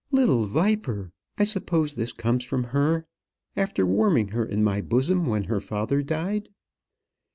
Little viper! I suppose this comes from her. After warming her in my bosom when her father died!"